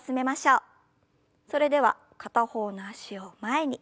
それでは片方の脚を前に。